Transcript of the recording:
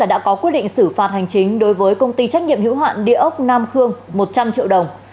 đã có quyết định xử phạt hành chính đối với công ty trách nhiệm hữu hạn địa ốc nam khương một trăm linh triệu đồng